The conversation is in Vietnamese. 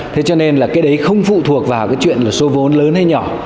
thế cho nên là cái đấy không phụ thuộc vào cái chuyện số vốn lớn hay nhỏ